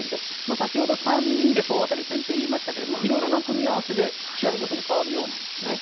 先ほど３人で総当たり戦といいましたが色々な組み合わせで試合ごとに変わるようです。